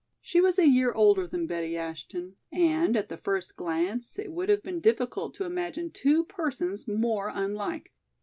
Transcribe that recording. She was a year older than Betty Ashton and at the first glance it would have been difficult to imagine two persons more unlike.